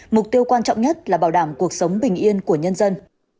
mục tiêu quan trọng nhất là bảo đảm cuộc sống bình yên của nhân dân